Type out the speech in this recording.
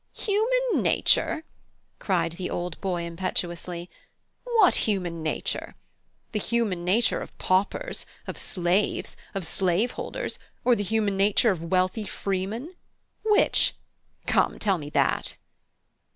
"Human nature!" cried the old boy, impetuously; "what human nature? The human nature of paupers, of slaves, of slave holders, or the human nature of wealthy freemen? Which? Come, tell me that!"